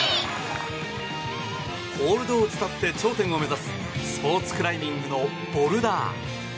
ホールドを伝って挑戦を目指すスポーツクライミングのボルダー。